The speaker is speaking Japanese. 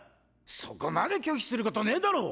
そこまで拒否することねぇだろ！